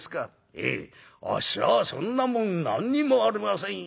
『ええあっしはそんなもん何にもありませんよ』